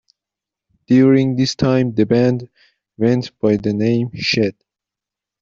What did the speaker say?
During this time the band went by the name "Shed".